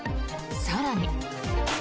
更に。